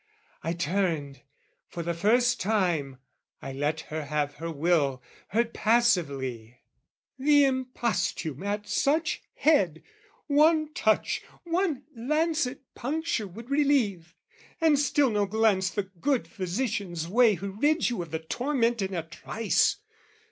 I turned For the first time, I let her have her will, Heard passively, "The imposthume at such head, "One touch, one lancet puncture would relieve, "And still no glance the good physician's way "Who rids you of the torment in a trice!